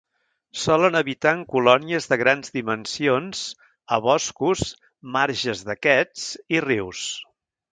Solen habitar en colònies de grans dimensions a boscos, marges d'aquests i rius.